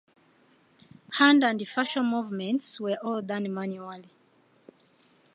Hand and facial movements were all done manually.